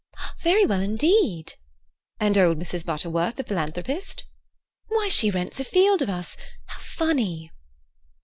"Very well indeed." "And old Mrs. Butterworth the philanthropist?" "Why, she rents a field of us! How funny!"